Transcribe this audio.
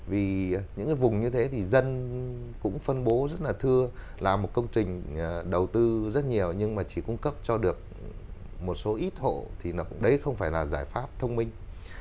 vì những cái vùng như thế thì dân cũng phân bố rất là thưa là một công trình đầu tư rất nhiều nhưng mà chỉ cung cấp cho được một số ít hộ thì đấy không phải là giải pháp thông minh